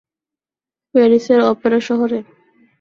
প্যারিসের অপেরা শহরে।